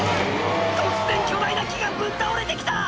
突然巨大な木がぶっ倒れて来た！